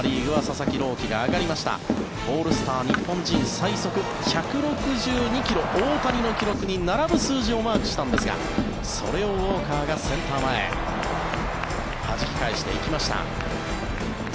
日本人最速１６２ｋｍ大谷の記録に並ぶ数字をマークしたんですがそれをウォーカーがセンター前にはじき返していきました。